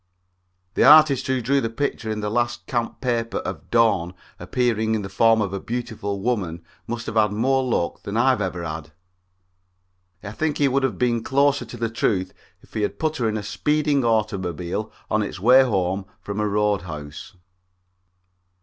The artist who drew the picture in the last camp paper of Dawn appearing in the form of a beautiful woman must have had more luck than I have ever had. I think he would have been closer to the truth if he had put her in a speeding automobile on its way home from a road house.